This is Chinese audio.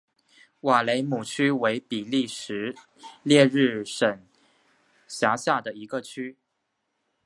瓦雷姆区为比利时列日省辖下的一个区。